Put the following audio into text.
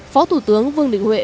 phó thủ tướng vương định huệ